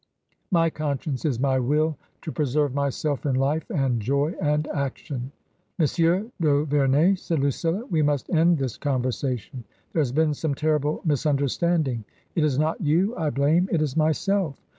My conscience is my will to preserve myself in life and joy and action." " Monsieur d'Auverney," said Lucilla, " we must end this conversation. There has been some terrible mis understanding. It is not you I blame; it is myself.